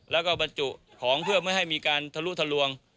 แล้วก็บรรจุของเพื่อไม่ให้มีการทะลุทะลวง